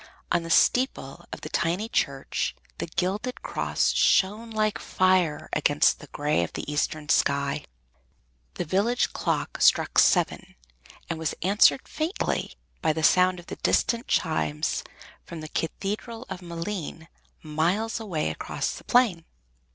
On the steeple of the tiny church the gilded cross shone like fire against the gray of the eastern sky. The village clock struck seven and was answered faintly by the sound of distant chimes from the Cathedral of Malines, miles away across the plain.